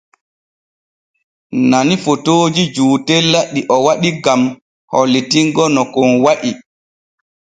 Nani fotooji jootela ɗi o waɗi gam hollitingo no kon wa’i.